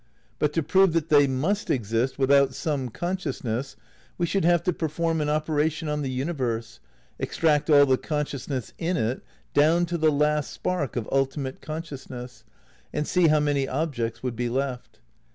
But to prove that they must exist without some consciousness we should have to perform an oper ation on the universe, extract aU the consciousness in it, down to the last spark of ultimate consciousness, and see how many objects would be left.